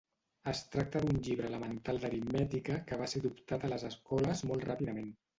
Es tracta d'un llibre elemental d'aritmètica que va ser adoptat a les escoles molt ràpidament.